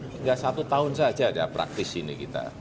tidak satu tahun saja praktis ini kita